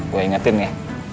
gue ingetin ya